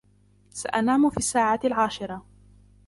سأنام في الساعة العاشرة.